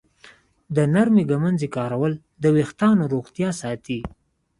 د نرمې ږمنځې کارول د ویښتانو روغتیا ساتي.